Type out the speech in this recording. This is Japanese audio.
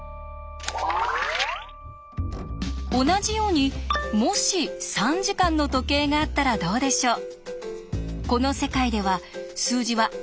同じようにもし３時間の時計があったらどうでしょう？